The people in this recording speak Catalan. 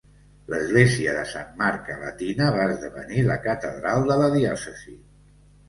L'església de Sant Marc a Latina va esdevenir la catedral de la diòcesi.